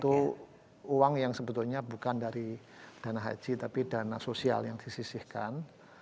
itu uang yang sebetulnya bukan dari dana haji tapi dana sosial yang disisihkan